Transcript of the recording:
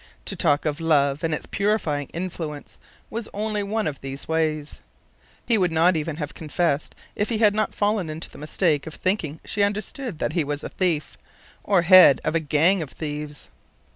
To talk of love and its purifying influence was only one of these ways. He would not even have confessed if he had not fallen into the mistake of thinking she understood that he was a thief, or head of a gang of thieves.